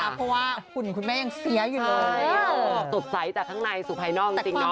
เพราะว่าหุ่นคุณแม่ยังเสียอยู่เลยสดใสจากข้างในสู่ภายนอกจริงเนาะ